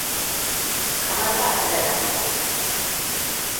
Kamar bata da lafiya.